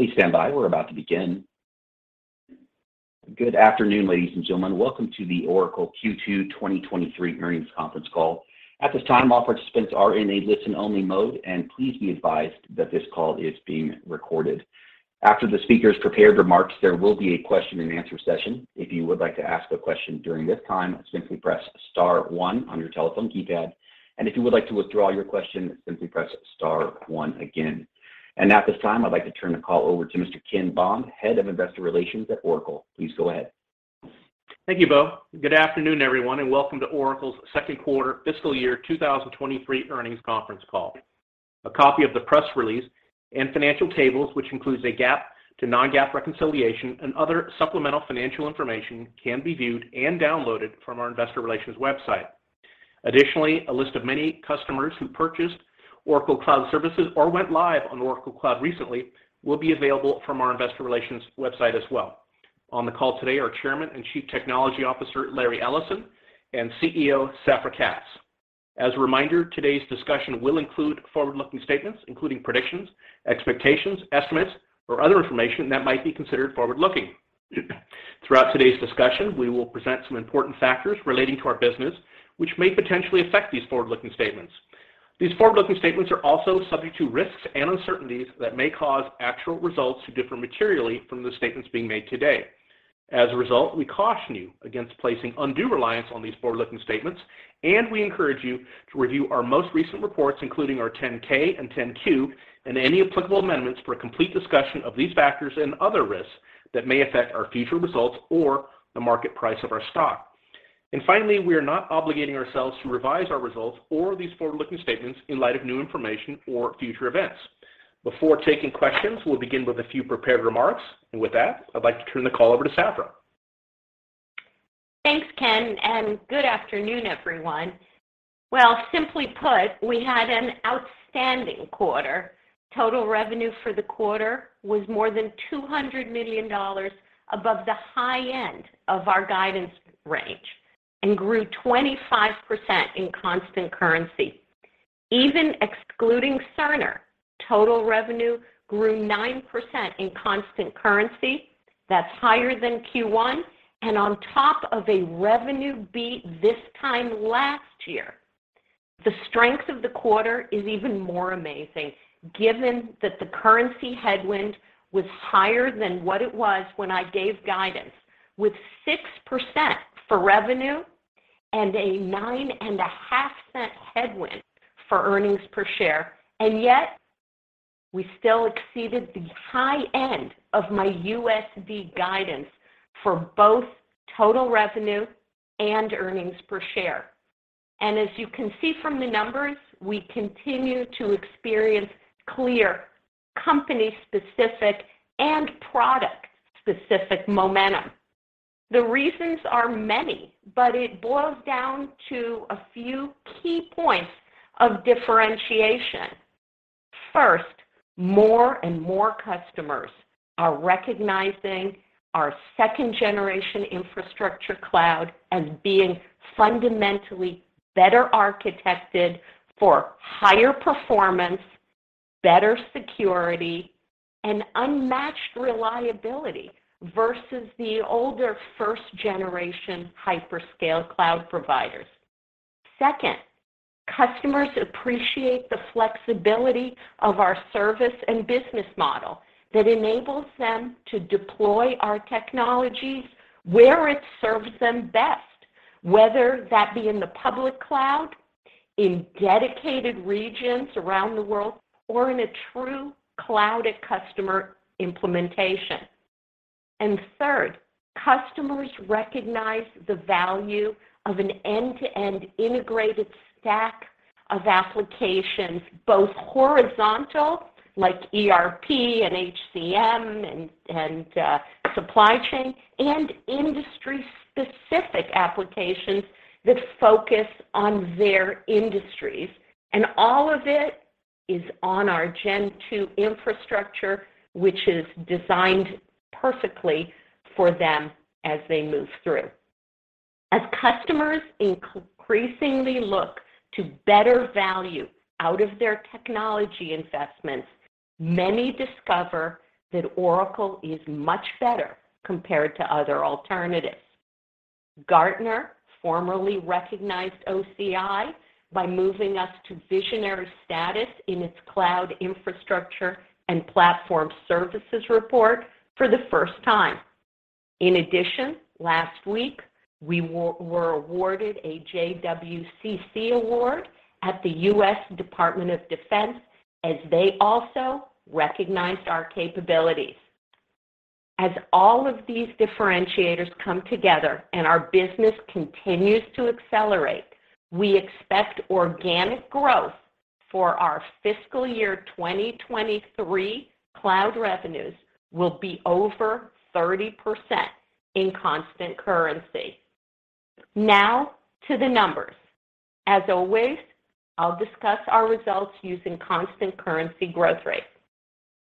Please stand by. We're about to begin. Good afternoon, ladies and gentlemen. Welcome to the Oracle Q2 2023 earnings conference call. At this time, all participants are in a listen-only mode. Please be advised that this call is being recorded. After the speakers' prepared remarks, there will be a question and answer session. If you would like to ask a question during this time, simply press star one on your telephone keypad. If you would like to withdraw your question, simply press star one again. At this time, I'd like to turn the call over to Mr. Ken Bond, Head of Investor Relations at Oracle. Please go ahead. Thank you, Bo. Good afternoon, everyone, and welcome to Oracle's second quarter fiscal year 2023 earnings conference call. A copy of the press release and financial tables, which includes a GAAP to non-GAAP reconciliation and other supplemental financial information can be viewed and downloaded from our investor relations website. A list of many customers who purchased Oracle Cloud services or went live on Oracle Cloud recently will be available from our investor relations website as well. On the call today are Chairman and Chief Technology Officer, Larry Ellison, and CEO, Safra Catz. As a reminder, today's discussion will include forward-looking statements, including predictions, expectations, estimates, or other information that might be considered forward-looking. Throughout today's discussion, we will present some important factors relating to our business, which may potentially affect these forward-looking statements. These forward-looking statements are also subject to risks and uncertainties that may cause actual results to differ materially from the statements being made today. As a result, we caution you against placing undue reliance on these forward-looking statements, and we encourage you to review our most recent reports, including our 10-K and 10-Q and any applicable amendments for a complete discussion of these factors and other risks that may affect our future results or the market price of our stock. Finally, we are not obligating ourselves to revise our results or these forward-looking statements in light of new information or future events. Before taking questions, we'll begin with a few prepared remarks. With that, I'd like to turn the call over to Safra. Thanks, Ken, and good afternoon, everyone. Well, simply put, we had an outstanding quarter. Total revenue for the quarter was more than $200 million above the high end of our guidance range and grew 25% in constant currency. Even excluding Cerner, total revenue grew 9% in constant currency. That's higher than Q1 and on top of a revenue beat this time last year. The strength of the quarter is even more amazing given that the currency headwind was higher than what it was when I gave guidance with 6% for revenue and a $0.095 headwind for earnings per share. Yet, we still exceeded the high end of my USD guidance for both total revenue and earnings per share. As you can see from the numbers, we continue to experience clear company-specific and product-specific momentum. The reasons are many, but it boils down to a few key points of differentiation. First, more and more customers are recognizing our second generation infrastructure cloud as being fundamentally better architected for higher performance, better security, and unmatched reliability versus the older first generation hyperscale cloud providers. Second, customers appreciate the flexibility of our service and business model that enables them to deploy our technologies where it serves them best, whether that be in the public cloud, in dedicated regions around the world or in a true cloud at customer implementation. Third, customers recognize the value of an end-to-end integrated stack of applications, both horizontal like ERP and HCM and supply chain and industry-specific applications that focus on their industries. All of it is on our Gen two infrastructure, which is designed perfectly for them as they move through. As customers increasingly look to better value out of their technology investments, many discover that Oracle is much better compared to other alternatives. Gartner formally recognized OCI by moving us to visionary status in its cloud infrastructure and platform services report for the first time. In addition, last week, we were awarded a JWCC award at the US Department of Defense as they also recognized our capabilities. As all of these differentiators come together and our business continues to accelerate, we expect organic growth for our fiscal year 2023 cloud revenues will be over 30% in constant currency. Now to the numbers. As always, I'll discuss our results using constant currency growth rates.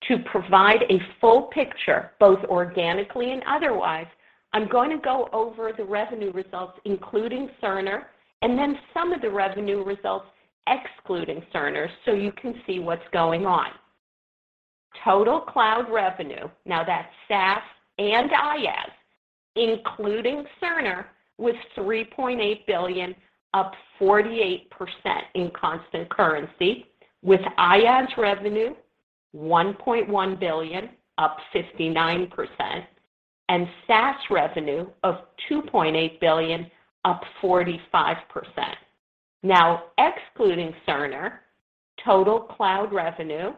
To provide a full picture, both organically and otherwise, I'm going to go over the revenue results, including Cerner, and then some of the revenue results excluding Cerner so you can see what's going on. Total cloud revenue, now that's SaaS and IaaS, including Cerner, was $3.8 billion, up 48% in constant currency, with IaaS revenue $1.1 billion, up 59%, and SaaS revenue of $2.8 billion, up 45%. Now, excluding Cerner, total cloud revenue,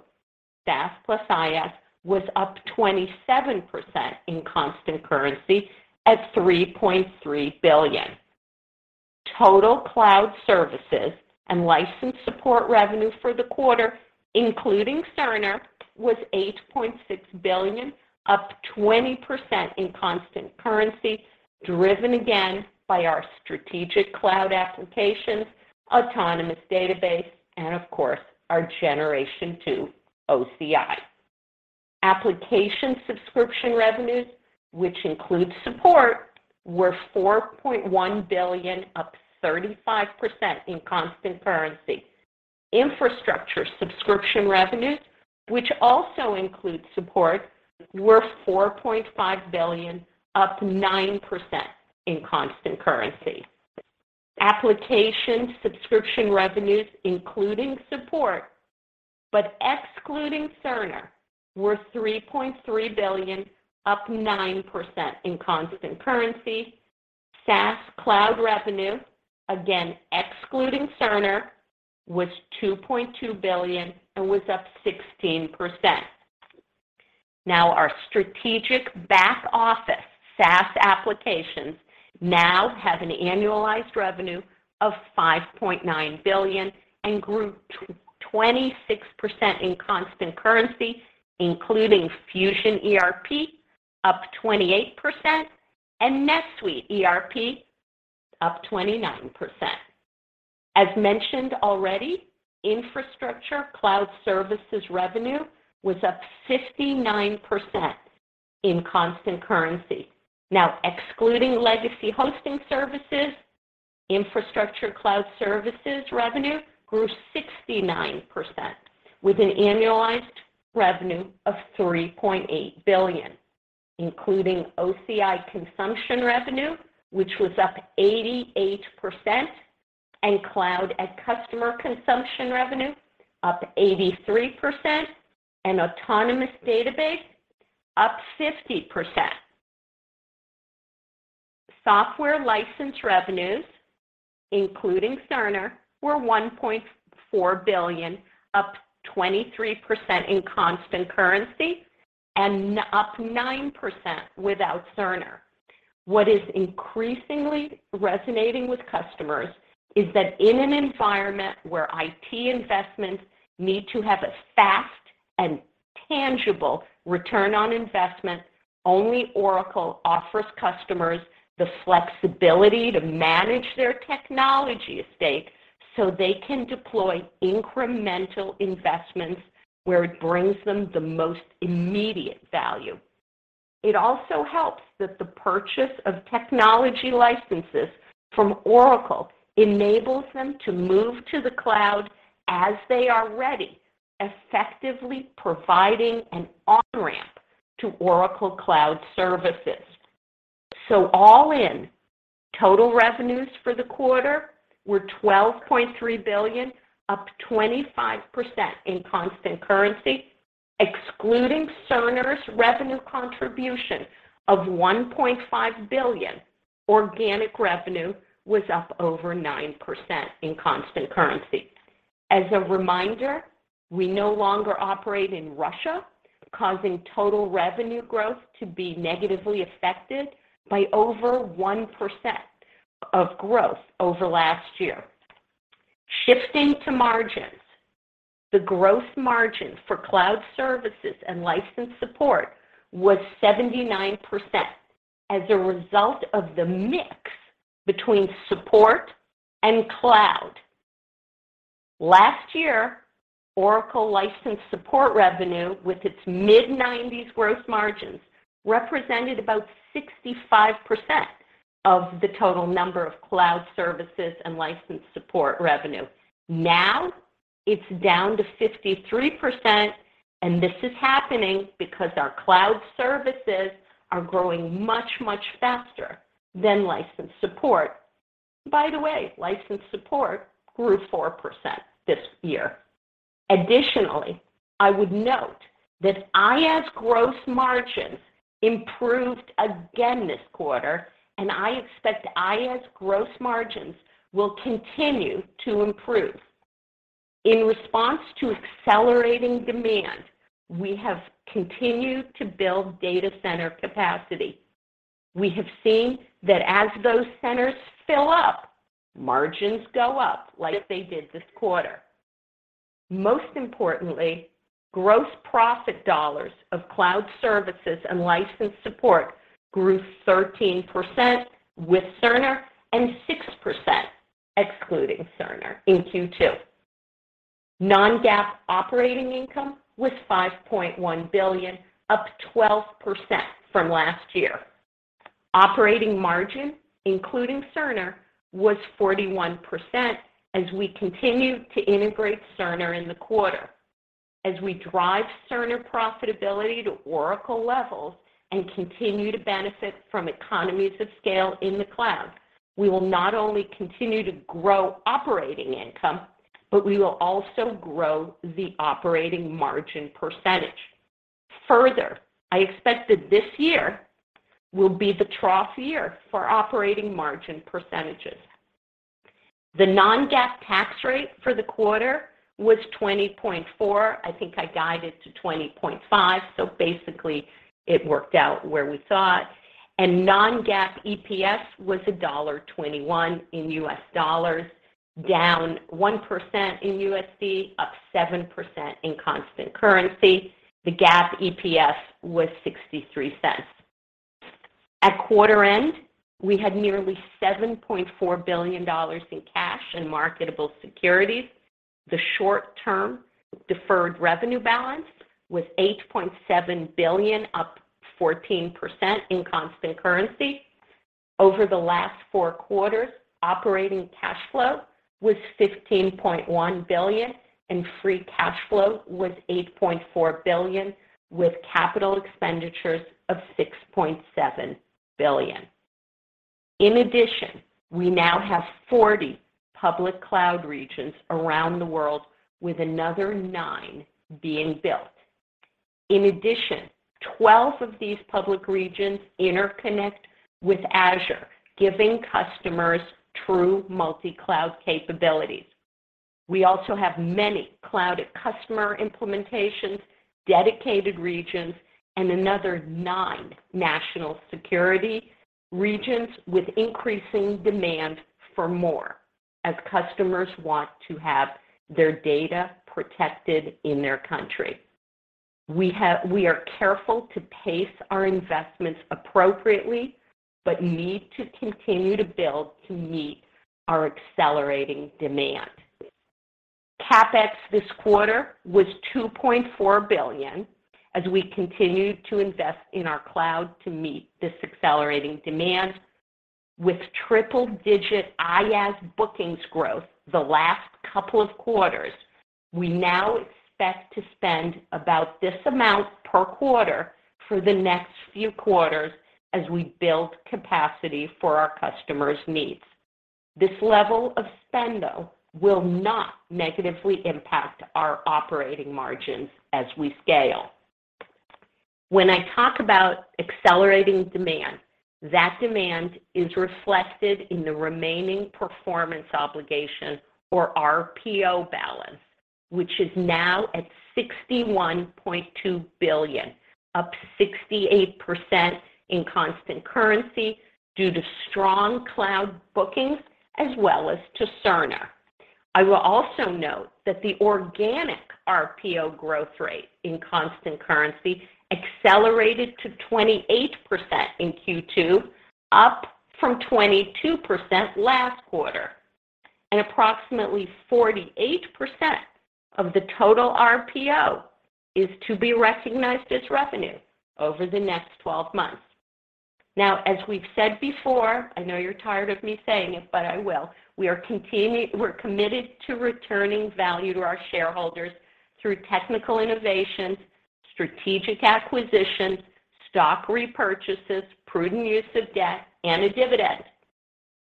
SaaS plus IaaS, was up 27% in constant currency at $3.3 billion. Total cloud services and license support revenue for the quarter, including Cerner, was $8.6 billion, up 20% in constant currency, driven again by our strategic cloud applications, Autonomous Database, and of course, our Generation 2 OCI. Application subscription revenues, which includes support, were $4.1 billion, up 35% in constant currency. Infrastructure subscription revenues, which also includes support, were $4.5 billion, up 9% in constant currency. Application subscription revenues, including support but excluding Cerner, were $3.3 billion, up 9% in constant currency. SaaS cloud revenue, again excluding Cerner, was $2.2 billion and was up 16%. Our strategic back-office SaaS applications now have an annualized revenue of $5.9 billion and grew 26% in constant currency, including Fusion ERP up 28% and NetSuite ERP up 29%. As mentioned already, infrastructure cloud services revenue was up 59% in constant currency. Excluding legacy hosting services, infrastructure cloud services revenue grew 69% with an annualized revenue of $3.8 billion, including OCI consumption revenue, which was up 88%, and cloud at customer consumption revenue up 83%, and Autonomous Database up 50%. Software license revenues, including Cerner, were $1.4 billion, up 23% in constant currency and up 9% without Cerner. What is increasingly resonating with customers is that in an environment where IT investments need to have a fast and tangible return on investment, only Oracle offers customers the flexibility to manage their technology estate so they can deploy incremental investments where it brings them the most immediate value. It also helps that the purchase of technology licenses from Oracle enables them to move to the cloud as they are ready, effectively providing an on-ramp to Oracle Cloud services. All in, total revenues for the quarter were $12.3 billion, up 25% in constant currency. Excluding Cerner's revenue contribution of $1.5 billion, organic revenue was up over 9% in constant currency. As a reminder, we no longer operate in Russia, causing total revenue growth to be negatively affected by over 1% of growth over last year. Shifting to margins, the growth margin for cloud services and license support was 79% as a result of the mix between support and cloud. Last year, Oracle license support revenue with its mid-90s growth margins represented about 65% of the total number of cloud services and license support revenue. Now it's down to 53%. This is happening because our cloud services are growing much, much faster than license support. By the way, license support grew 4% this year. Additionally, I would note that IaaS gross margins improved again this quarter, and I expect IaaS gross margins will continue to improve. In response to accelerating demand, we have continued to build data center capacity. We have seen that as those centers fill up, margins go up like they did this quarter. Most importantly, gross profit dollars of cloud services and license support grew 13% with Cerner and 6% excluding Cerner in Q2. Non-GAAP operating income was $5.1 billion, up 12% from last year. Operating margin, including Cerner, was 41% as we continued to integrate Cerner in the quarter. As we drive Cerner profitability to Oracle levels and continue to benefit from economies of scale in the cloud, we will not only continue to grow operating income, but we will also grow the operating margin percentage. Further, I expect that this year will be the trough year for operating margin percentages. The non-GAAP tax rate for the quarter was 20.4%. I think I guided to 20.5%, basically it worked out where we thought. Non-GAAP EPS was $1.21 in US dollars, down 1% in USD, up 7% in constant currency. The GAAP EPS was $0.63. At quarter end, we had nearly $7.4 billion in cash and marketable securities. The short-term deferred revenue balance was $8.7 billion, up 14% in constant currency. Over the last four quarters, operating cash flow was $15.1 billion, and free cash flow was $8.4 billion, with capital expenditures of $6.7 billion. We now have 40 public cloud regions around the world, with another nine being built. 12 of these public regions interconnect with Azure, giving customers true multi-cloud capabilities. We also have many Cloud at Customer implementations, dedicated regions, and another nine national security regions with increasing demand for more as customers want to have their data protected in their country. We are careful to pace our investments appropriately but need to continue to build to meet our accelerating demand. CapEx this quarter was $2.4 billion as we continued to invest in our cloud to meet this accelerating demand. With triple-digit IaaS bookings growth the last couple of quarters, we now expect to spend about this amount per quarter for the next few quarters as we build capacity for our customers' needs. This level of spend, though, will not negatively impact our operating margins as we scale. When I talk about accelerating demand, that demand is reflected in the remaining performance obligation or RPO balance, which is now at $61.2 billion, up 68% in constant currency due to strong cloud bookings as well as to Cerner. I will also note that the organic RPO growth rate in constant currency accelerated to 28% in Q2, up from 22% last quarter. Approximately 48% of the total RPO is to be recognized as revenue over the next 12 months. As we've said before, I know you're tired of me saying it, but I will. We're committed to returning value to our shareholders through technical innovations, strategic acquisitions, stock repurchases, prudent use of debt, and a dividend.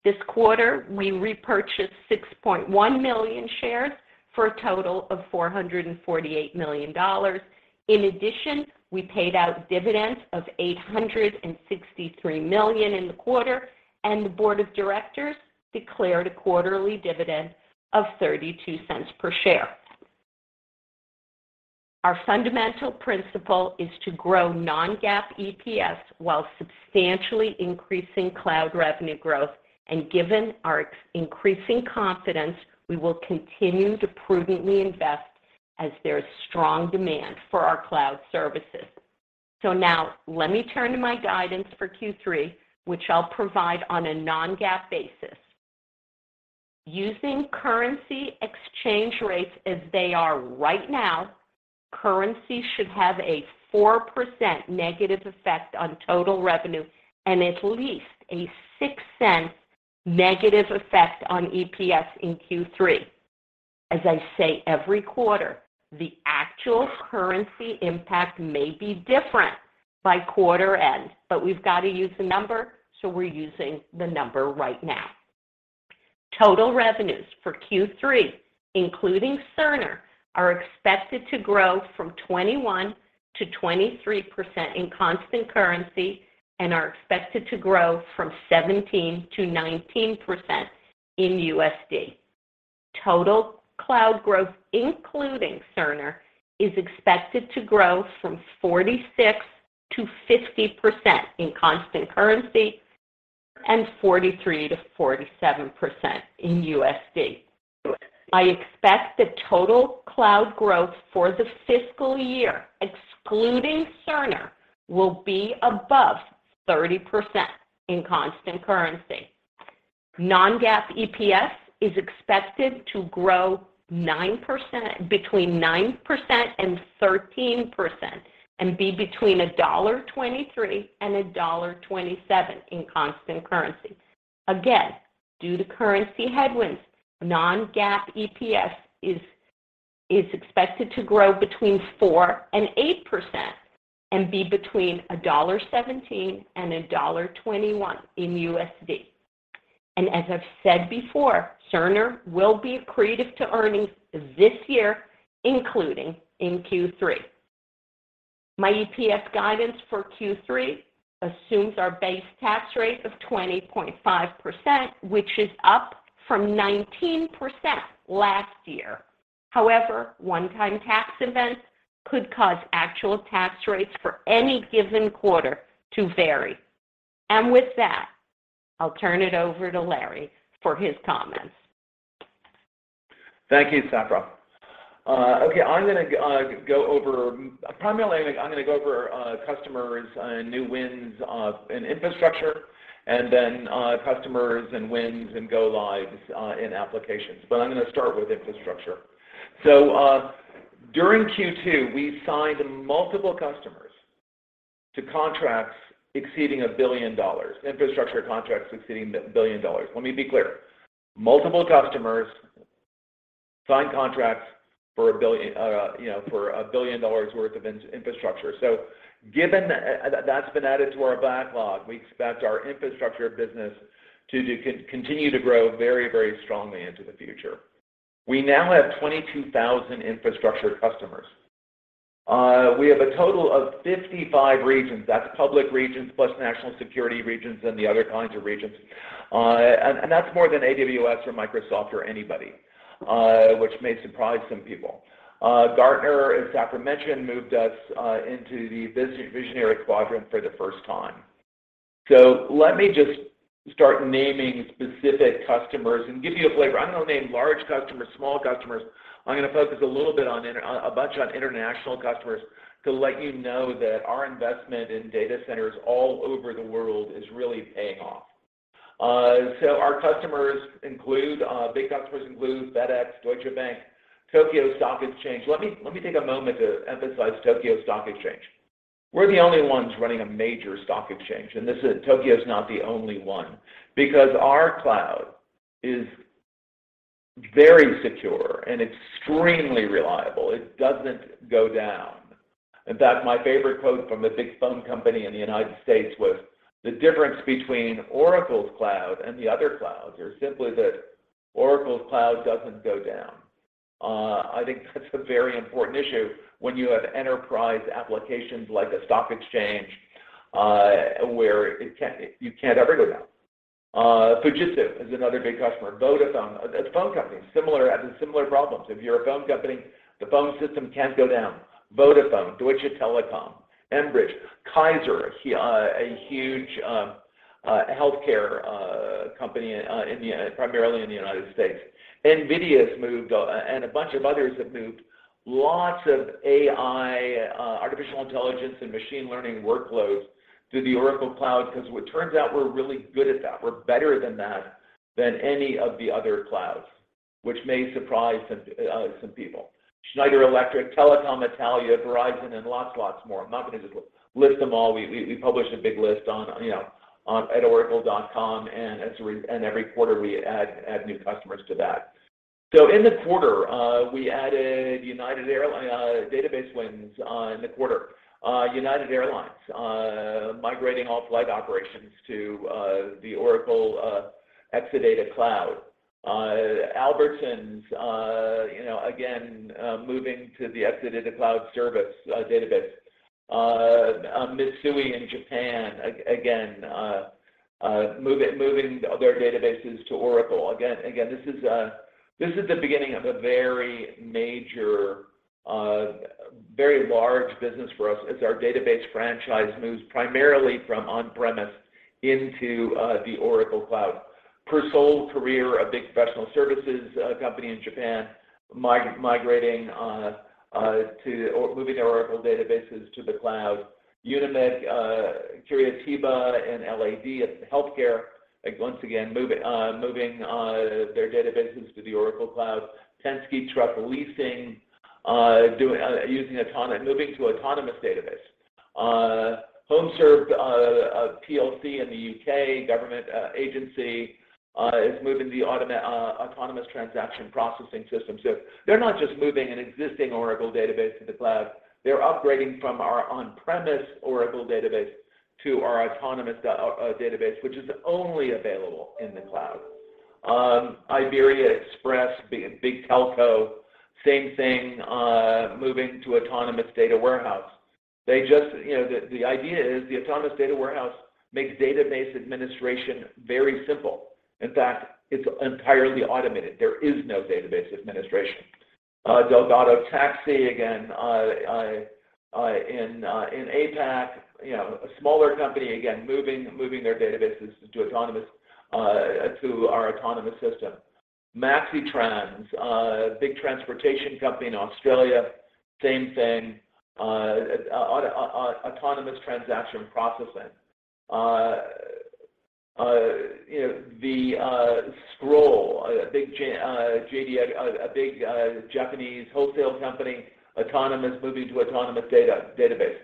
This quarter, we repurchased 6.1 million shares for a total of $448 million. We paid out dividends of $863 million in the quarter, and the board of directors declared a quarterly dividend of $0.32 per share. Our fundamental principle is to grow non-GAAP EPS while substantially increasing cloud revenue growth. Given our increasing confidence, we will continue to prudently invest as there is strong demand for our cloud services. Now let me turn to my guidance for Q3, which I'll provide on a non-GAAP basis. Using currency exchange rates as they are right now, currency should have a 4% negative effect on total revenue and at least a $0.06 negative effect on EPS in Q3. As I say every quarter, the actual currency impact may be different by quarter end, but we've got to use a number, so we're using the number right now. Total revenues for Q3, including Cerner, are expected to grow from 21%-23% in constant currency and are expected to grow from 17%-19% in USD. Total cloud growth, including Cerner, is expected to grow from 46%-50% in constant currency and 43%-47% in USD. I expect that total cloud growth for the fiscal year, excluding Cerner, will be above 30% in constant currency. Non-GAAP EPS is expected to grow between 9% and 13% and be between $1.23 and $1.27 in constant currency. Again, due to currency headwinds, non-GAAP EPS is expected to grow between 4% and 8% and be between $1.17 and $1.21 in USD. As I've said before, Cerner will be accretive to earnings this year, including in Q3. My EPS guidance for Q3 assumes our base tax rate of 20.5%, which is up from 19% last year. However, one-time tax events could cause actual tax rates for any given quarter to vary. With that, I'll turn it over to Larry for his comments. Thank you, Safra. Okay, I'm gonna go over, primarily, I'm gonna go over customers and new wins in infrastructure and then customers and wins and go lives in applications. I'm gonna start with infrastructure. During Q2, we signed multiple customers to contracts exceeding $1 billion, infrastructure contracts exceeding $1 billion. Let me be clear. Multiple customers signed contracts for $1 billion, you know, for $1 billion worth of infrastructure. Given that's been added to our backlog, we expect our infrastructure business to continue to grow very, very strongly into the future. We now have 22,000 infrastructure customers. We have a total of 55 regions. That's public regions plus national security regions and the other kinds of regions. That's more than AWS or Microsoft or anybody, which may surprise some people. Gartner, as Safra mentioned, moved us into the visionary quadrant for the first time. Let me just start naming specific customers and give you a flavor. I'm gonna name large customers, small customers. I'm gonna focus a little bit on a bunch on international customers to let you know that our investment in data centers all over the world is really paying off. Our customers include big customers include FedEx, Deutsche Bank, Tokyo Stock Exchange. Let me take a moment to emphasize Tokyo Stock Exchange. We're the only ones running a major stock exchange, and Tokyo's not the only one. Because our cloud is very secure and extremely reliable, it doesn't go down. In fact, my favorite quote from a big phone company in the United States was, "The difference between Oracle's cloud and the other clouds are simply that Oracle's cloud doesn't go down." I think that's a very important issue when you have enterprise applications like a stock exchange, where you can't ever go down. Fujitsu is another big customer. Vodafone, a phone company, has similar problems. If you're a phone company, the phone system can't go down. Vodafone, Deutsche Telekom, Enbridge, Kaiser, a huge healthcare company primarily in the United States. NVIDIA's moved and a bunch of others have moved lots of AI, artificial intelligence and machine learning workloads to the Oracle Cloud because it turns out we're really good at that. We're better than that than any of the other clouds, which may surprise some people. Schneider Electric, Telecom Italia, Verizon, and lots more. I'm not gonna just list them all. We published a big list on, you know, at oracle.com, and every quarter we add new customers to that. In the quarter, we added United Airlines database wins in the quarter. United Airlines migrating all flight operations to the Oracle Exadata Cloud. Albertsons, you know, again, moving to the Exadata Cloud Service database. Mitsui in Japan again moving their databases to Oracle. Again, this is the beginning of a very major, very large business for us as our database franchise moves primarily from on-premise into the Oracle Cloud. Persol Career, a big professional services company in Japan, migrating to, or moving their Oracle databases to the cloud. Unimed Curitiba, and LAD, that's healthcare, like once again, moving their databases to the Oracle Cloud. Tensuke Truck Leasing, doing, using moving to Autonomous Database. HomeServe PLC in the UK, government agency, is moving the autonomous transaction processing system. They're not just moving an existing Oracle database to the cloud, they're upgrading from our on-premise Oracle database to our Autonomous Database, which is only available in the cloud. Iberia Express, big telco, same thing, moving to Autonomous Data Warehouse. They just, you know, the idea is the Autonomous Data Warehouse makes database administration very simple. In fact, it's entirely automated. There is no database administration. Delgado Taxi, again, in APAC, you know, a smaller company again, moving their databases to autonomous, to our autonomous system. MaxiTRANS, big transportation company in Australia, same thing. Autonomous Transaction Processing. You know, the Scroll, a big Japanese wholesale company, moving to Autonomous Database.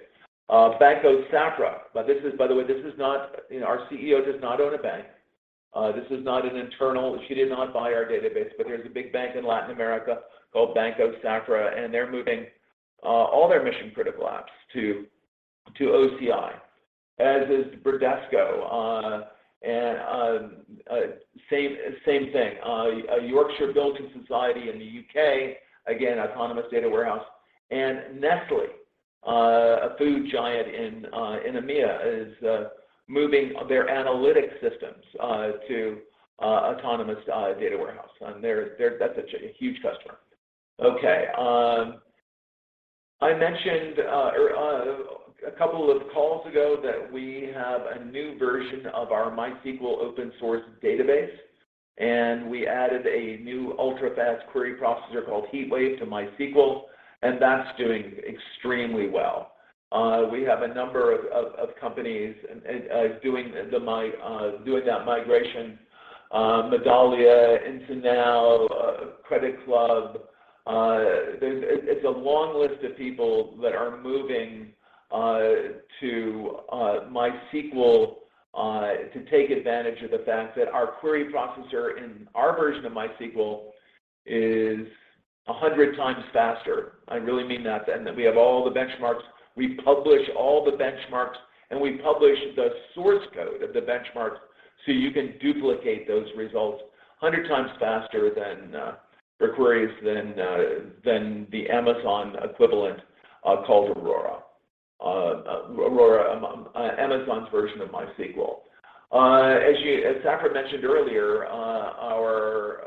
Banco Sacra. By the way, this is not, you know, our CEO does not own a bank. This is not an internal... She did not buy our database, but there's a big bank in Latin America called Banco Sacra, and they're moving all their mission-critical apps to OCI. As is Bradesco, and same thing. Yorkshire Building Society in the UK, again, autonomous data warehouse. Nestlé, a food giant in EMEA, is moving their analytic systems to autonomous data warehouse. That's such a huge customer. Okay, I mentioned or a couple of calls ago that we have a new version of our MySQL open source database, and we added a new ultra-fast query processor called HeatWave to MySQL, and that's doing extremely well. We have a number of companies doing that migration. Medallia, Inguinal, Credit Club, there's... It's a long list of people that are moving to MySQL to take advantage of the fact that our query processor in our version of MySQL is 100x faster. I really mean that. We have all the benchmarks. We publish all the benchmarks, and we publish the source code of the benchmarks, so you can duplicate those results 100x faster than or queries than the Amazon equivalent called Aurora. Aurora, Amazon's version of MySQL. As Safra mentioned earlier, our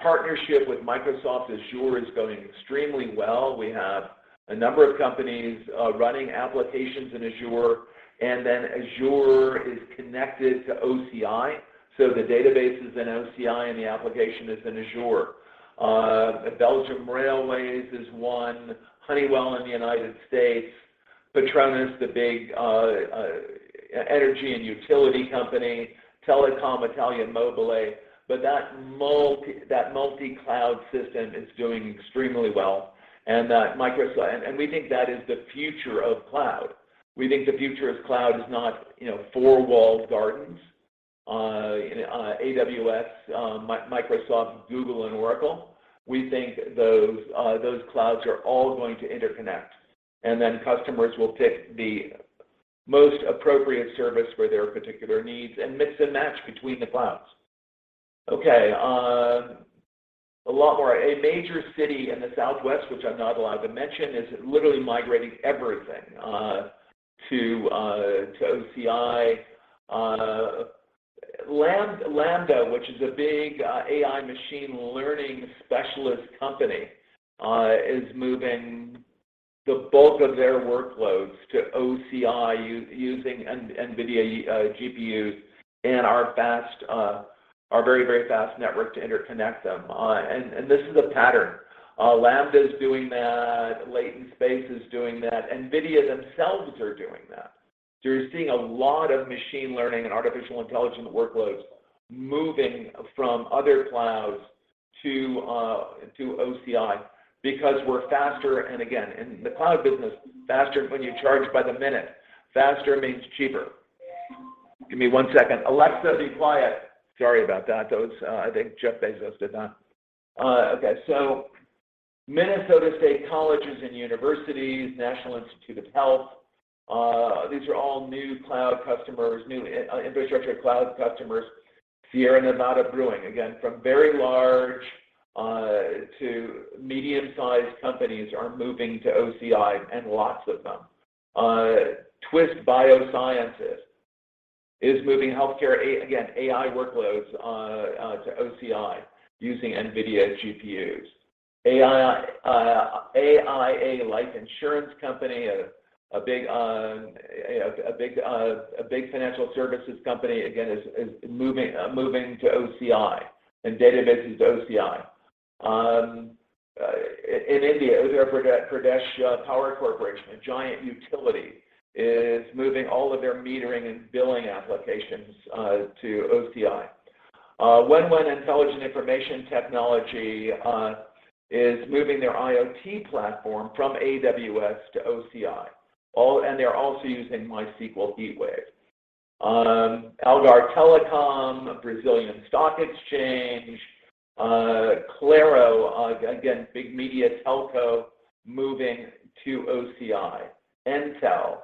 partnership with Microsoft Azure is going extremely well. We have a number of companies running applications in Azure, and then Azure is connected to OCI, so the database is in OCI, and the application is in Azure. Belgium Railways is one. Honeywell in the United States. Patronus, the big, e-energy and utility company. Telecom Italia Mobile. That multi-cloud system is doing extremely well. We think that is the future of cloud. We think the future of cloud is not, you know, four wall gardens, in AWS, Microsoft, Google and Oracle. We think those clouds are all going to interconnect, and then customers will pick the most appropriate service for their particular needs and mix and match between the clouds. A lot more. A major city in the Southwest, which I'm not allowed to mention, is literally migrating everything to OCI. Lambda, which is a big AI machine learning specialist company, is moving the bulk of their workloads to OCI using NVIDIA GPUs and our fast, our very fast network to interconnect them, and this is a pattern. Lambda's doing that. Latent Space is doing that. NVIDIA themselves are doing that. You're seeing a lot of machine learning and artificial intelligent workloads moving from other clouds to OCI because we're faster, and again, in the cloud business, faster, when you charge by the minute, faster means cheaper. Give me one second. Alexa, be quiet. Sorry about that, folks. I think Jeff Bezos did not... Okay. Minnesota State Colleges and Universities, National Institute of Health, these are all new cloud customers, new infrastructure cloud customers. Sierra Nevada Brewing, again, from very large to medium-sized companies are moving to OCI and lots of them. Twist Bioscience is moving healthcare, again, AI workloads to OCI using NVIDIA GPUs. AI, a life insurance company, a big financial services company again is moving to OCI and databases to OCI. In India, Uttar Pradesh Power Corporation, a giant utility, is moving all of their metering and billing applications to OCI. When One Intelligent Information Technology is moving their IoT platform from AWS to OCI. They're also using MySQL HeatWave. Algar Telecom, Brazilian Stock Exchange, Claro, again, big media telco moving to OCI. Entel.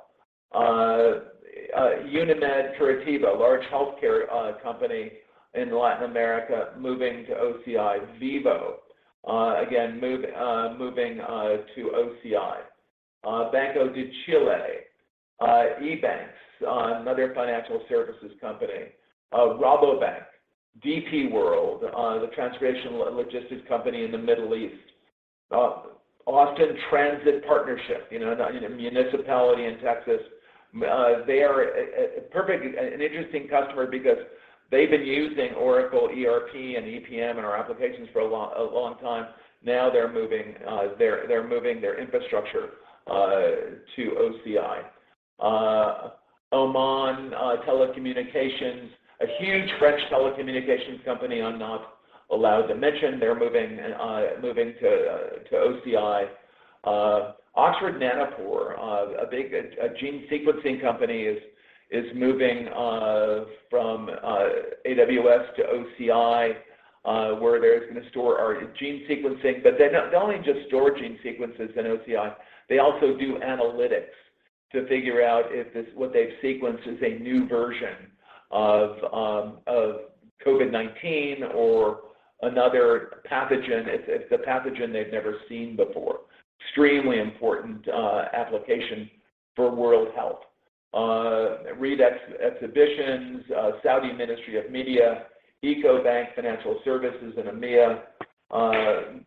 Unimed Curitiba, large healthcare company in Latin America moving to OCI. Vivo, again, moving to OCI. Banco de Chile. E-Banks, another financial services company. Rabobank. DP World, the transportation logistics company in the Middle East. Austin Transit Partnership, you know, the municipality in Texas, they are a perfect, an interesting customer because they've been using Oracle ERP and EPM and our applications for a long time. Now they're moving, they're moving their infrastructure to OCI. Oman Telecommunications, a huge French telecommunications company I'm not allowed to mention, they're moving to OCI. Oxford Nanopore, a big gene sequencing company is moving from AWS to OCI, where they're just gonna store our gene sequencing. They're not only just store gene sequences in OCI, they also do analytics to figure out if this, what they've sequenced is a new version of COVID-19 or another pathogen. It's a pathogen they've never seen before. Extremely important application for world health. Read Ex-Exhibitions, Saudi Ministry of Media, Ecobank Financial Services in EMEA,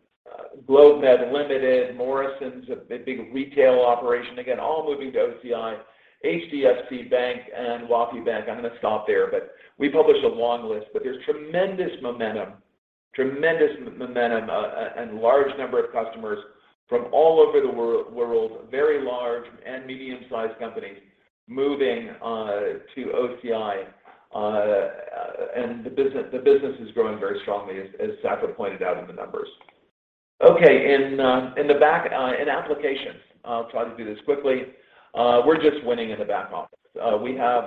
GlobeMed Limited, Morrisons, a big retail operation, again, all moving to OCI, HDFC Bank, and Waafi Bank. I'm gonna stop there, we published a long list, there's tremendous momentum, and large number of customers from all over the world, very large and medium-sized companies moving to OCI, and the business is growing very strongly, as Safra pointed out in the numbers. Okay. In applications, I'll try to do this quickly. We're just winning in the back office. We have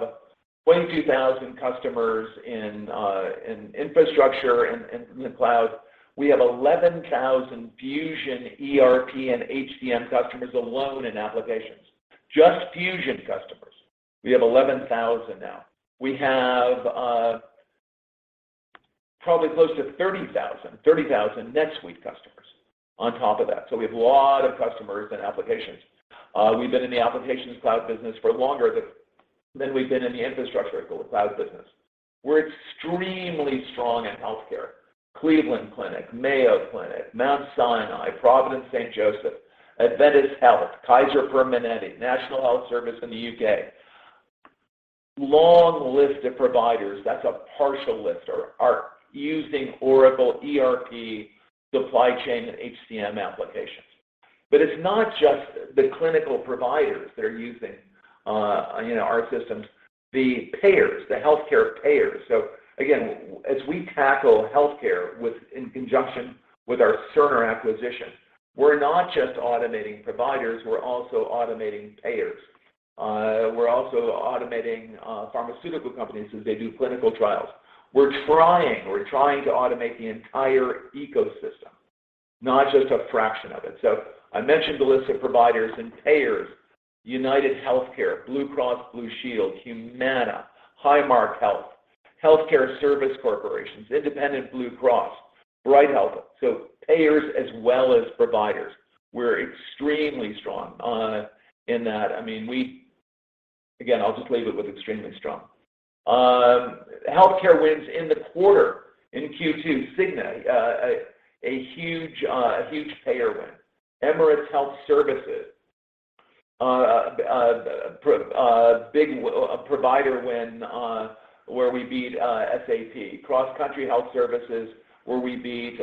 22,000 customers in infrastructure and in cloud. We have 11,000 Fusion ERP and HCM customers alone in applications. Just Fusion customers, we have 11,000 now. We have probably close to 30,000 NetSuite customers on top of that. We have a lot of customers and applications. We've been in the applications cloud business for longer than we've been in the infrastructure cloud business. We're extremely strong in healthcare, Cleveland Clinic, Mayo Clinic, Mount Sinai, Providence St. Joseph, Adventist Health, Kaiser Permanente, National Health Service in the UK. Long list of providers, that's a partial list, are using Oracle ERP, supply chain, and HCM applications. It's not just the clinical providers that are using, you know, our systems, the payers, the healthcare payers. Again, as we tackle healthcare with, in conjunction with our Cerner acquisition, we're not just automating providers, we're also automating payers. We're also automating pharmaceutical companies as they do clinical trials. We're trying to automate the entire ecosystem, not just a fraction of it. I mentioned the list of providers and payers, UnitedHealthcare, Blue Cross Blue Shield, Humana, Highmark Health Care Service Corporations, Independence Blue Cross, Bright Health. Payers as well as providers, we're extremely strong in that. I mean, again, I'll just leave it with extremely strong. Healthcare wins in the quarter, in Q2, Cigna, a huge payer win. Emirates Health Services, a provider win, where we beat SAP. Cross Country Health Services, where we beat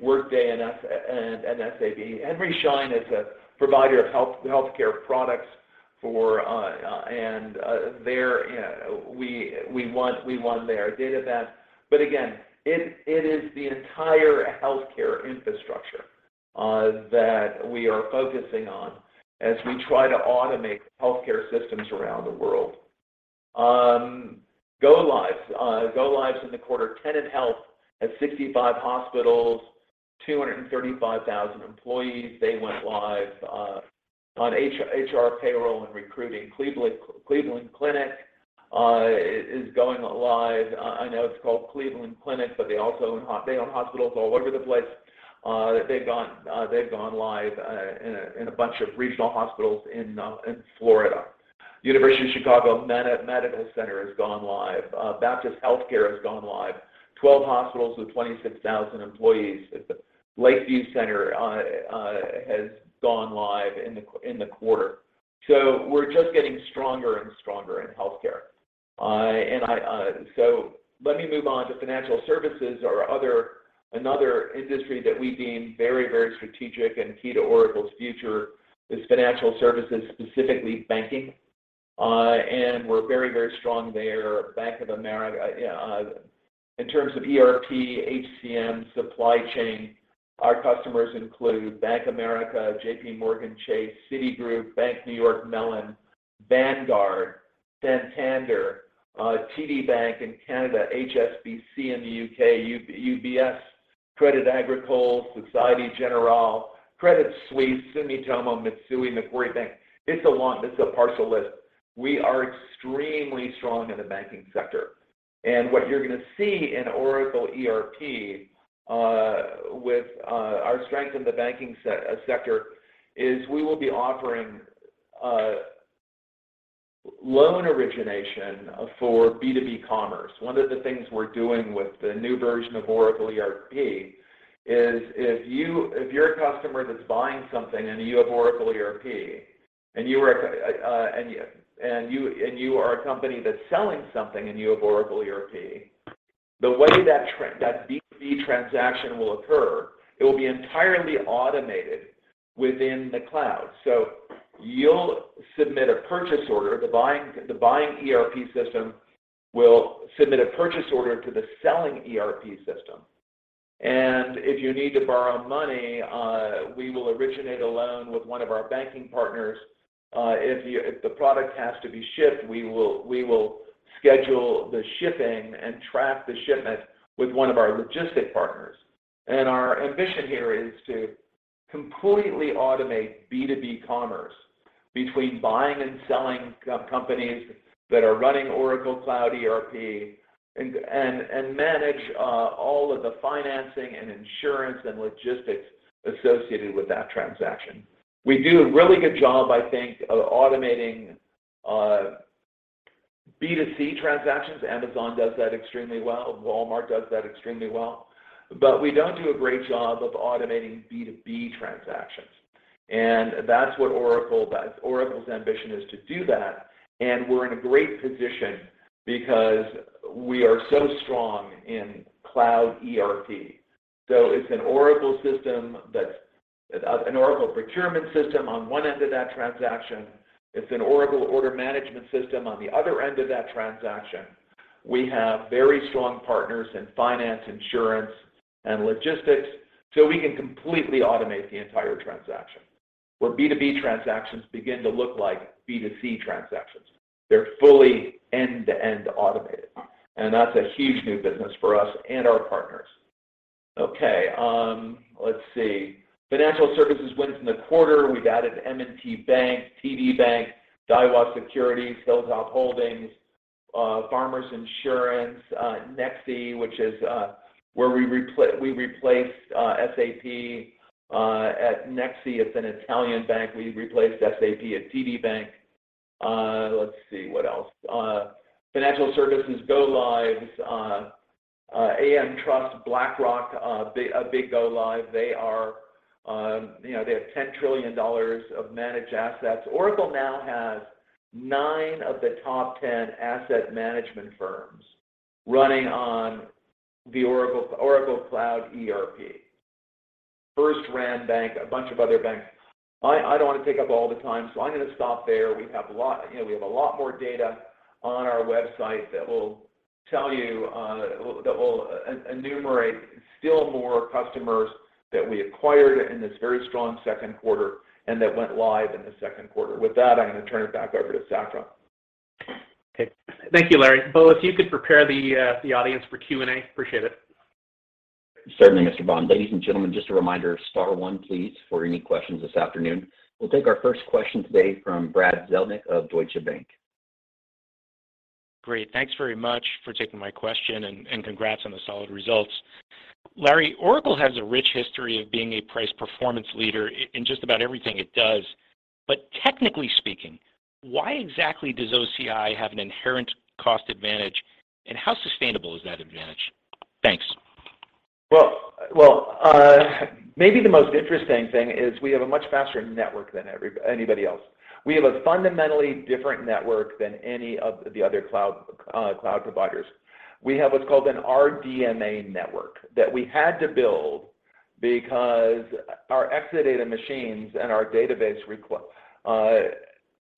Workday and SAP. Henry Schein is a provider of health, healthcare products for and their we won their database. Again, it is the entire healthcare infrastructure that we are focusing on as we try to automate healthcare systems around the world. Go lives. Go lives in the quarter, Tenet Healthcare has 65 hospitals, 235,000 employees. They went live on HR payroll and recruiting. Cleveland Clinic is going live. I know it's called Cleveland Clinic, but they also own hospitals all over the place. They've gone live in a bunch of regional hospitals in Florida. University of Chicago Medical Center has gone live. Baptist Healthcare has gone live. 12 hospitals with 26,000 employees. Lakeview Center has gone live in the quarter. We're just getting stronger and stronger in healthcare. Let me move on to another industry that we deem very, very strategic and key to Oracle's future is financial services, specifically banking. We're very, very strong there. Bank of America. In terms of ERP, HCM, supply chain, our customers include Bank of America, JPMorgan Chase, Citigroup, Bank of New York Mellon, Vanguard, Santander, TD Bank in Canada, HSBC in the UK, UBS, Crédit Agricole, Société Générale, Credit Suisse, Sumitomo Mitsui, Macquarie Bank. It's a partial list. We are extremely strong in the banking sector. What you're going to see in Oracle ERP, with our strength in the banking sector, is we will be offering Loan origination for B2B commerce. One of the things we're doing with the new version of Oracle ERP is if you, if you're a customer that's buying something and you have Oracle ERP, and you are a company that's selling something and you have Oracle ERP, the way that B2B transaction will occur, it will be entirely automated within the cloud. You'll submit a purchase order, the buying ERP system will submit a purchase order to the selling ERP system. If you need to borrow money, we will originate a loan with one of our banking partners. If the product has to be shipped, we will schedule the shipping and track the shipment with one of our logistic partners. Our ambition here is to completely automate B2B commerce between buying and selling companies that are running Oracle Cloud ERP and manage all of the financing and insurance and logistics associated with that transaction. We do a really good job, I think, of automating B2C transactions. Amazon does that extremely well. Walmart does that extremely well. We don't do a great job of automating B2B transactions. That's what Oracle does. Oracle's ambition is to do that, and we're in a great position because we are so strong in cloud ERP. It's an Oracle system that's an Oracle procurement system on one end of that transaction. It's an Oracle order management system on the other end of that transaction. We have very strong partners in finance, insurance, and logistics, so we can completely automate the entire transaction, where B2B transactions begin to look like B2C transactions. They're fully end-to-end automated, and that's a huge new business for us and our partners. Okay, let's see. Financial services wins in the quarter. We've added M&T Bank, TD Bank, Daiwa Securities, SalesOut Holdings, Farmers Insurance, Nexi, which is where we replaced SAP at Nexi. It's an Italian bank. We replaced SAP at TD Bank. Let's see, what else? Financial services go lives, AmTrust, BlackRock, a big go live. They are, you know, they have $10 trillion of managed assets. Oracle now has nine of the top 10 asset management firms running on the Oracle Cloud ERP. FirstRand Bank, a bunch of other banks. I don't want to take up all the time, so I'm gonna stop there. We have a lot, you know, we have a lot more data on our website that will tell you that will enumerate still more customers that we acquired in this very strong second quarter and that went live in the second quarter. With that, I'm gonna turn it back over to Safra. Okay. Thank you, Larry. Bo, if you could prepare the audience for Q&A, appreciate it. Certainly, Mr. Bond. Ladies and gentlemen, just a reminder, star 1, please, for any questions this afternoon. We'll take our first question today from Brad Zelnick of Deutsche Bank. Great. Thanks very much for taking my question and congrats on the solid results. Larry, Oracle has a rich history of being a price performance leader in just about everything it does. Technically speaking, why exactly does OCI have an inherent cost advantage, and how sustainable is that advantage? Thanks. Well, maybe the most interesting thing is we have a much faster network than anybody else. We have a fundamentally different network than any of the other cloud cloud providers. We have what's called an RDMA network that we had to build because our Exadata machines and our database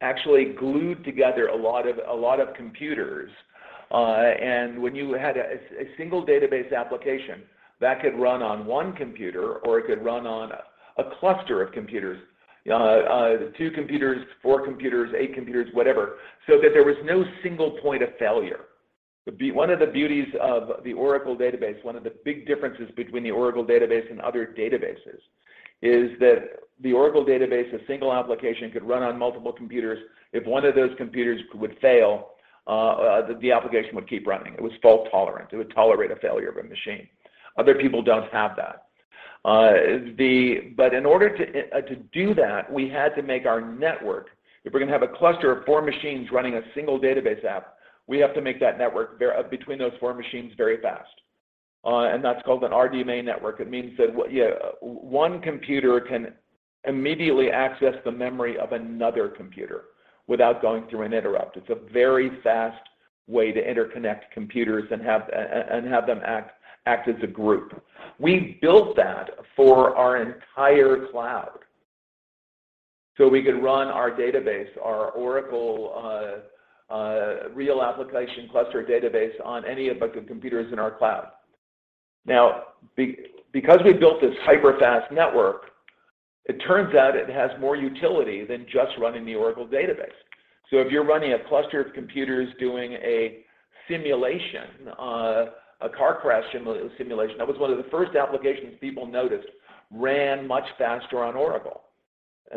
actually glued together a lot of computers, and when you had a single database application that could run on one computer or it could run on a cluster of computers, two computers, four computers, eight computers, whatever, so that there was no single point of failure. One of the beauties of the Oracle database, one of the big differences between the Oracle database and other databases is that the Oracle database, a single application could run on multiple computers. If one of those computers would fail, the application would keep running. It was fault tolerant. It would tolerate a failure of a machine. Other people don't have that. In order to do that, we had to make our network. If we're gonna have a cluster of four machines running a single database app, we have to make that network between those four machines very fast. That's called an RDMA network. It means that, yeah, one computer can immediately access the memory of another computer without going through an interrupt. It's a very fast way to interconnect computers and have them act as a group. We built that for our entire cloud so we could run our database, our Oracle Real Application Clusters database on any of the computers in our cloud. Because we built this hyper-fast network, it turns out it has more utility than just running the Oracle database. If you're running a cluster of computers doing a simulation, a car crash simulation, that was one of the first applications people noticed ran much faster on Oracle.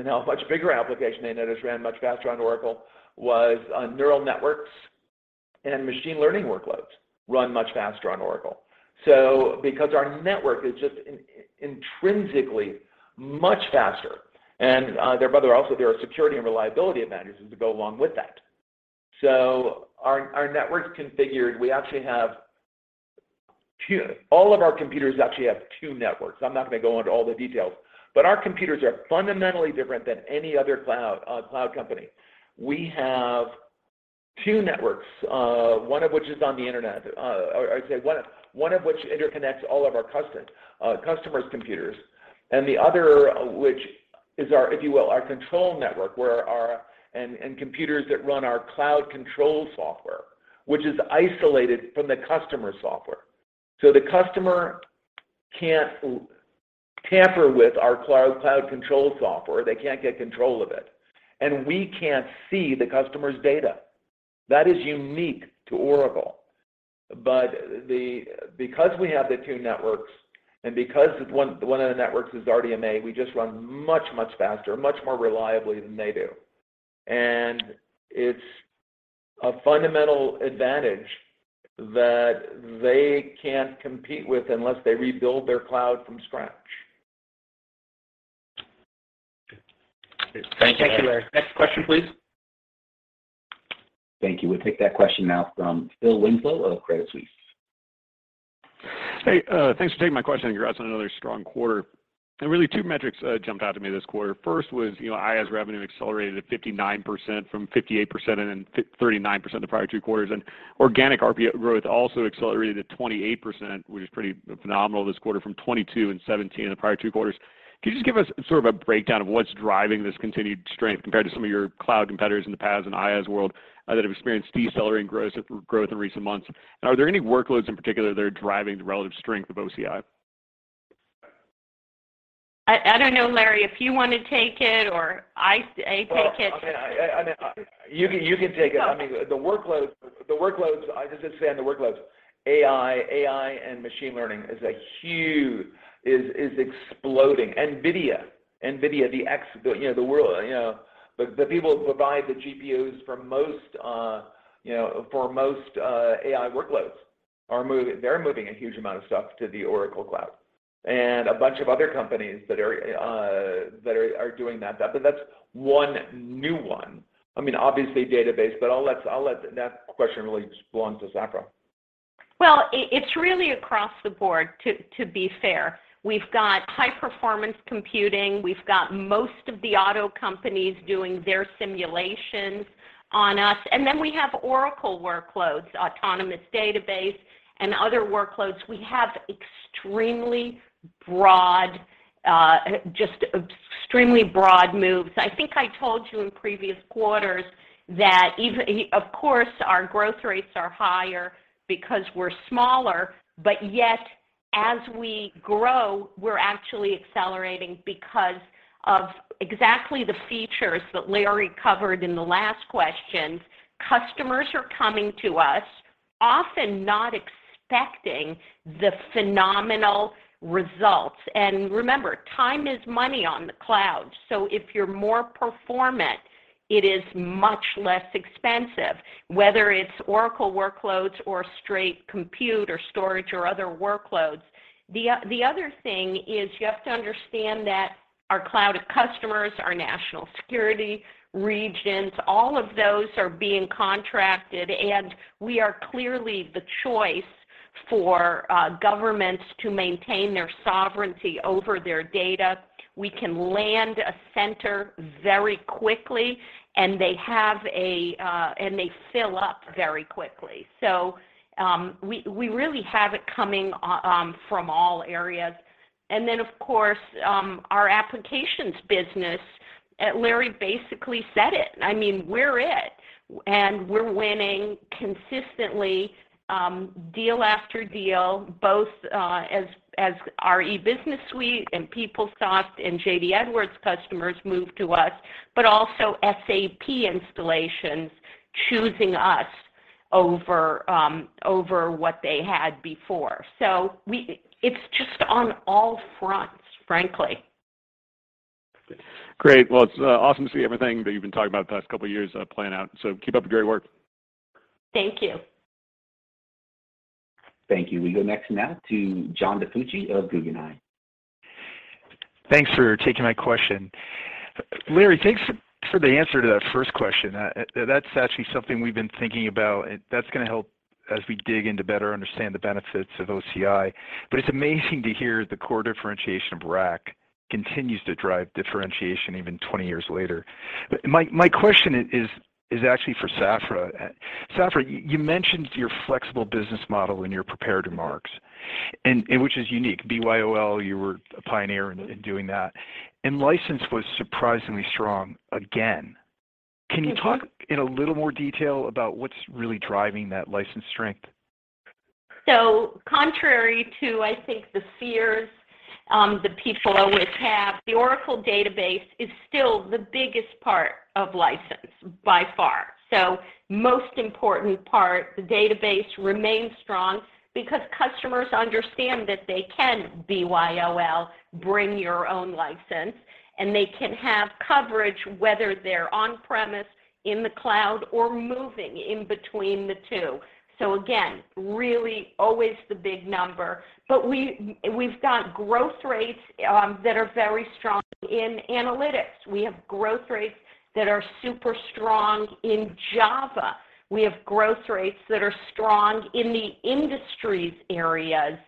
Now a much bigger application they noticed ran much faster on Oracle was neural networks. Machine learning workloads run much faster on Oracle. Because our network is just intrinsically much faster, and there but also there are security and reliability advantages that go along with that. Our network's configured. We actually have two. All of our computers actually have two networks. I'm not gonna go into all the details, but our computers are fundamentally different than any other cloud company. We have two networks, one of which is on the internet. I'd say one of which interconnects all of our customers' computers, and the other of which is our, if you will, our control network where and computers that run our cloud control software, which is isolated from the customer software. The customer can't tamper with our cloud control software. They can't get control of it, and we can't see the customer's data. That is unique to Oracle. Because we have the two networks and because one of the networks is RDMA, we just run much, much faster, much more reliably than they do. It's a fundamental advantage that they can't compete with unless they rebuild their cloud from scratch. Thank you, Larry. Next question, please. Thank you. We'll take that question now from Phil Winslow of Credit Suisse. Hey, thanks for taking my question, and congrats on another strong quarter. Really two metrics jumped out at me this quarter. First was, you know, IaaS revenue accelerated at 59% from 58% and then 39% the prior two quarters. Organic RPO growth also accelerated at 28%, which is pretty phenomenal this quarter from 22% and 17% in the prior two quarters. Can you just give us sort of a breakdown of what's driving this continued strength compared to some of your cloud competitors in the PaaS and IaaS world that have experienced decelerating gross growth in recent months? Are there any workloads in particular that are driving the relative strength of OCI? I don't know, Larry, if you wanna take it or I take it? Well, I mean, I, you can take it. I mean, the workloads, I'll just say on the workloads, AI and machine learning is exploding. NVIDIA, the, you know, the world, you know, the people provide the GPUs for most, you know, for most AI workloads they're moving a huge amount of stuff to the Oracle Cloud. A bunch of other companies that are doing that. That's one new one. I mean, obviously database, I'll let that question really belong to Safra. Well, it's really across the board, to be fair. We've got high-performance computing. We've got most of the auto companies doing their simulations on us. We have Oracle workloads, Autonomous Database and other workloads. We have extremely broad, just extremely broad moves. I think I told you in previous quarters that even, of course, our growth rates are higher because we're smaller. As we grow, we're actually accelerating because of exactly the features that Larry covered in the last question. Customers are coming to us, often not expecting the phenomenal results. Remember, time is money on the cloud, so if you're more performant, it is much less expensive, whether it's Oracle workloads or straight compute or storage or other workloads. The other thing is you have to understand that our cloud customers, our national security regions, all of those are being contracted, and we are clearly the choice for governments to maintain their sovereignty over their data. We can land a center very quickly, and they have a, and they fill up very quickly. We really have it coming from all areas. Of course, our applications business, Larry basically said it. I mean, we're it, and we're winning consistently, deal after deal, both as our E-Business Suite and PeopleSoft and JD Edwards customers move to us, but also SAP installations choosing us over what they had before. It's just on all fronts, frankly. Great. Well, it's awesome to see everything that you've been talking about the past couple of years playing out. Keep up the great work. Thank you. Thank you. We go next now to John DiFucci of Guggenheim. Thanks for taking my question. Larry, thanks for the answer to that first question. That's actually something we've been thinking about, and that's gonna help as we dig in to better understand the benefits of OCI. It's amazing to hear the core differentiation of RAC continues to drive differentiation even 20 years later. My question is actually for Safra. Safra, you mentioned your flexible business model in your prepared remarks, and which is unique. BYOL, you were a pioneer in doing that. License was surprisingly strong again. Can you talk in a little more detail about what's really driving that license strength? Contrary to, I think, the fears the people always have. The Oracle database is still the biggest part of license by far. Most important part, the database remains strong because customers understand that they can BYOL, bring your own license, and they can have coverage whether they're on premise, in the cloud, or moving in between the two. Again, really always the big number. We've got growth rates that are very strong in analytics. We have growth rates that are super strong in Java. We have growth rates that are strong in the industries areas,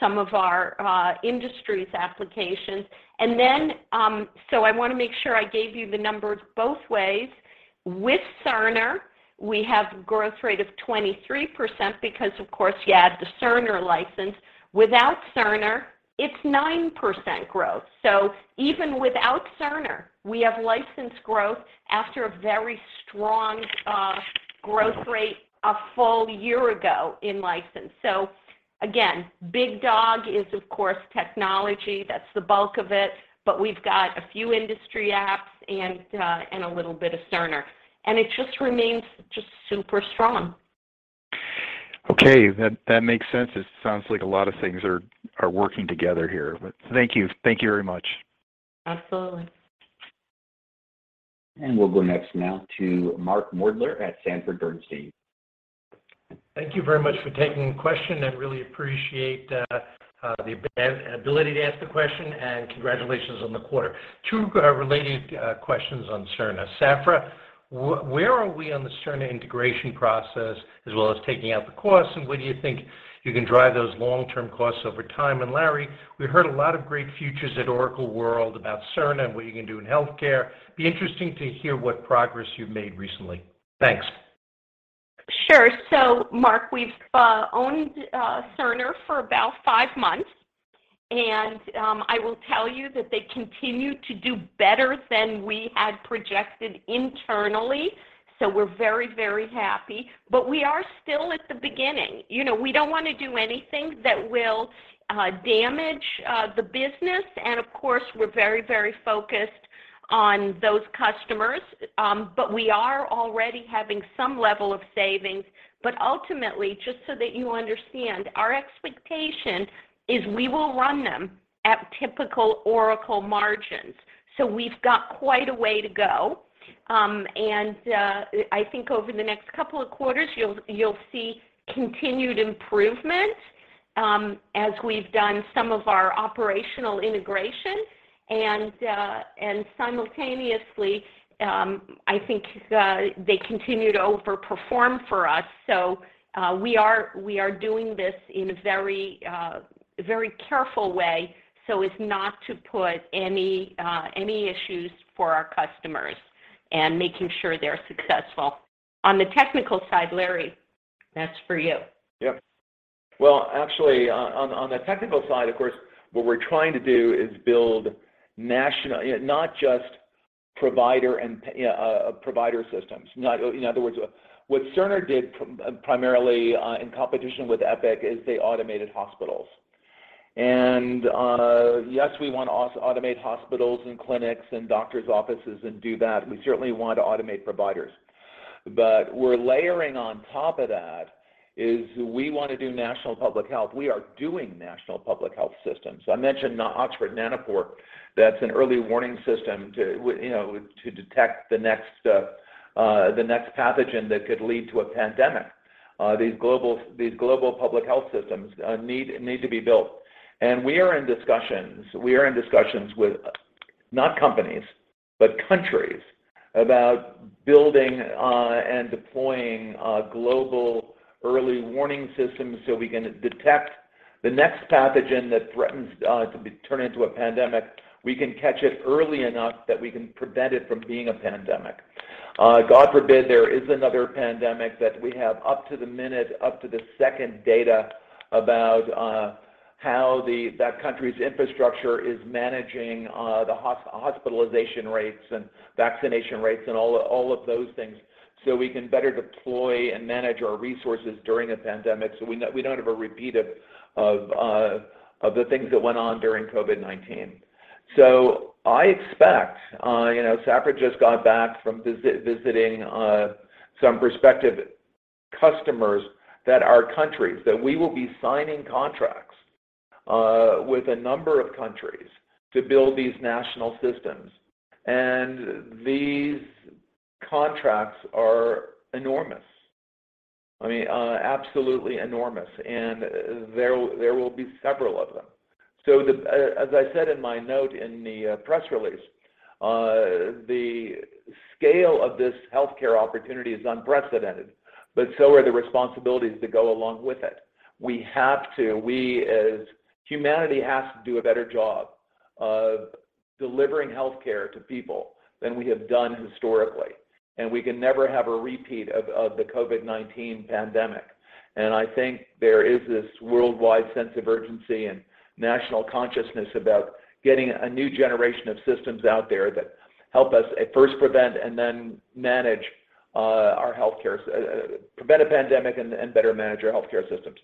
some of our industries applications. I wanna make sure I gave you the numbers both ways. With Cerner, we have growth rate of 23% because of course you add the Cerner license. Without Cerner, it's 9% growth. Even without Cerner, we have license growth after a very strong growth rate a full year ago in license. Again, big dog is of course technology, that's the bulk of it, but we've got a few industry apps and a little bit of Cerner. It just remains just super strong. Okay, that makes sense. It sounds like a lot of things are working together here. Thank you. Thank you very much. Absolutely. We'll go next now to Mark Moerdler at Sanford Bernstein. Thank you very much for taking the question. I really appreciate the ability to ask the question, and congratulations on the quarter. Two related questions on Cerner. Safra, where are we on the Cerner integration process as well as taking out the costs, and when do you think you can drive those long-term costs over time? Larry, we heard a lot of great futures at Oracle CloudWorld about Cerner and what you can do in healthcare. It'd be interesting to hear what progress you've made recently. Thanks. Sure. Mark, we've owned Cerner for about five months, and I will tell you that they continue to do better than we had projected internally, so we're very, very happy. But we are still at the beginning. You know, we don't wanna do anything that will damage the business, and of course we're very, very focused on those customers. But we are already having some level of savings. But ultimately, just so that you understand, our expectation is we will run them at typical Oracle margins. We've got quite a way to go. I think over the next couple of quarters, you'll see continued improvement as we've done some of our operational integration. Simultaneously, I think, they continue to overperform for us. We are doing this in a very, very careful way so as not to put any issues for our customers and making sure they're successful. On the technical side, Larry, that's for you. Yep. Well, actually on the technical side, of course, what we're trying to do is build national... You know, not just provider and you know, provider systems. In other words, what Cerner did primarily, in competition with Epic is they automated hospitals. Yes, we wanna automate hospitals and clinics and doctor's offices and do that. We certainly want to automate providers. We're layering on top of that is we wanna do national public health. We are doing national public health systems. I mentioned Oxford Nanopore, that's an early warning system to, you know, to detect the next pathogen that could lead to a pandemic. These global public health systems need to be built. We are in discussions with not companies, but countries about building and deploying global early warning systems, so we can detect the next pathogen that threatens to be turn into a pandemic. We can catch it early enough that we can prevent it from being a pandemic. God forbid there is another pandemic that we have up to the minute, up to the second data about how that country's infrastructure is managing hospitalization rates and vaccination rates and all of those things, so we can better deploy and manage our resources during a pandemic so we don't have a repeat of the things that went on during COVID-19. I expect, you know, Safra just got back from visiting some prospective customers that are countries, that we will be signing contracts with a number of countries to build these national systems. These contracts are enormous. I mean, absolutely enormous, and there will be several of them. As I said in my note in the press release, the scale of this healthcare opportunity is unprecedented, but so are the responsibilities that go along with it. We as humanity has to do a better job of delivering healthcare to people than we have done historically, and we can never have a repeat of the COVID-19 pandemic. I think there is this worldwide sense of urgency and national consciousness about getting a new generation of systems out there that help us at first prevent and then manage our healthcare prevent a pandemic and better manage our healthcare systems.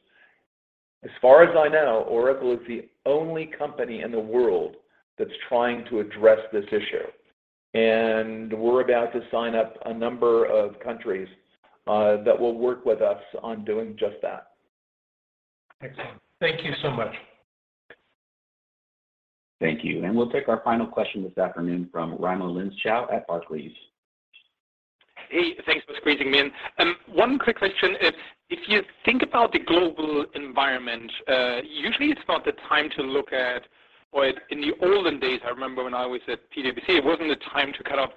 As far as I know, Oracle is the only company in the world that's trying to address this issue, and we're about to sign up a number of countries that will work with us on doing just that. Excellent. Thank you so much. Thank you. We'll take our final question this afternoon from Raimo Lenschau at Barclays. Thanks for squeezing me in. One quick question. If you think about the global environment, usually it's not the time to look at. In the olden days, I remember when I was at PwC, it wasn't the time to kind of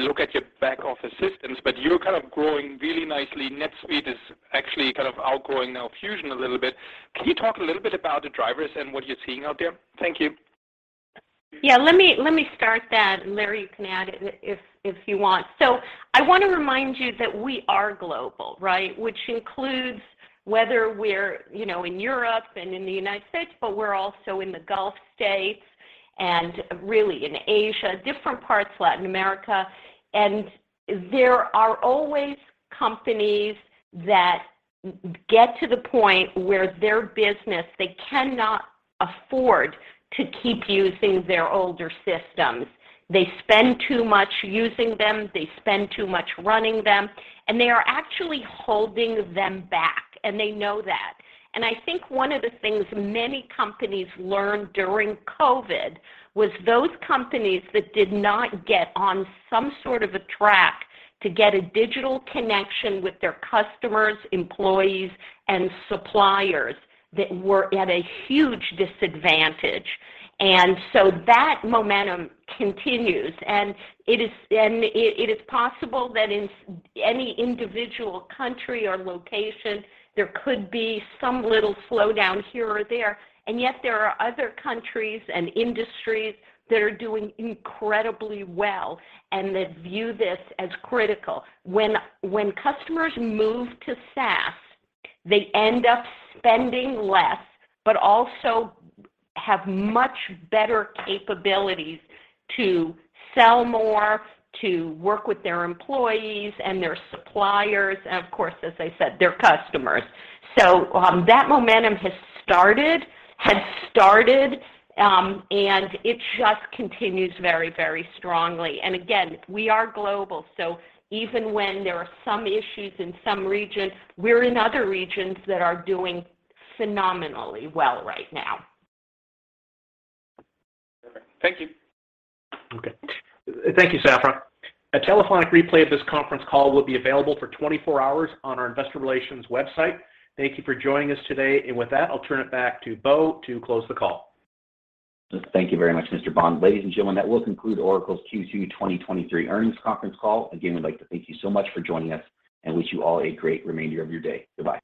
look at your back office systems, you're kind of growing really nicely. NetSuite is actually kind of outgrowing now Fusion a little bit. Can you talk a little bit about the drivers and what you're seeing out there? Thank you. Yeah. Let me start that, and Larry, you can add if you want. I wanna remind you that we are global, right? Which includes whether we're, you know, in Europe and in the United States, but we're also in the Gulf states and really in Asia, different parts, Latin America. There are always companies that get to the point where their business, they cannot afford to keep using their older systems. They spend too much using them, they spend too much running them, and they are actually holding them back, and they know that. I think one of the things many companies learned during COVID was those companies that did not get on some sort of a track to get a digital connection with their customers, employees, and suppliers that were at a huge disadvantage. That momentum continues, it is possible that in any individual country or location, there could be some little slowdown here or there are other countries and industries that are doing incredibly well and that view this as critical. When customers move to SaaS, they end up spending less, but also have much better capabilities to sell more, to work with their employees and their suppliers, and of course, as I said, their customers. That momentum has started, and it just continues very, very strongly. We are global, so even when there are some issues in some regions, we're in other regions that are doing phenomenally well right now. Thank you. Okay. Thank you, Safra. A telephonic replay of this conference call will be available for 24/7 on our investor relations website. Thank you for joining us today. With that, I'll turn it back to Bo to close the call. Thank you very much, Mr. Bond. Ladies and gentlemen, that will conclude Oracle's Q2 2023 earnings conference call. Again, we'd like to thank you so much for joining us and wish you all a great remainder of your day. Goodbye.